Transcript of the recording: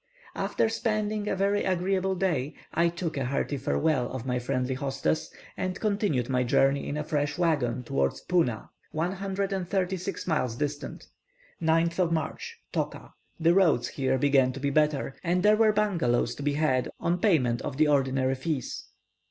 After spending a very agreeable day, I took a hearty farewell of my friendly hostess, and continued my journey in a fresh waggon towards Puna, 136 miles distant. 9th March. Toka. The roads here began to be better, and there were bungalows to be had on payment of the ordinary fees.